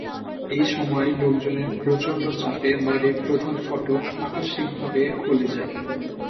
এ সময় লোকজনের প্রচণ্ড চাপে বাড়ির প্রধান ফটক আকস্মিকভাবে খুলে যায়।